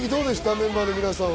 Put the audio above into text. メンバーの皆さんは。